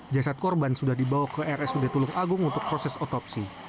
jasad korban sudah dibawa ke rsud tulung agung untuk proses otopsi